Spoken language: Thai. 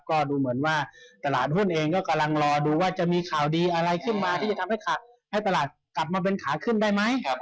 ก็ดูเหมือนว่าตลาดหุ้นเองก็กำลังรอดูว่าจะมีข่าวดีอะไรขึ้นมาที่จะทำให้ตลาดกลับมาเป็นขาขึ้นได้ไหม